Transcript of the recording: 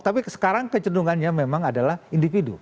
tapi sekarang kecenderungannya memang adalah individu